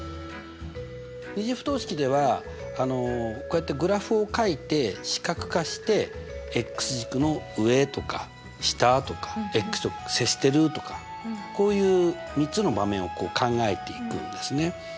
２次不等式ではこうやってグラフをかいて視覚化して軸の上とか下とかと接してるとかこういう３つの場面を考えていくんですね。